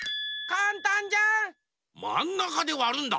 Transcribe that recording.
まんなかでわるんだ！